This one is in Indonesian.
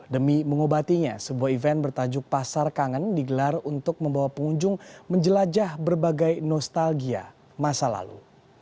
demi mengobatinya sebuah event bertajuk pasar kangen digelar untuk membawa pengunjung menjelajah berbagai nostalgia masa lalu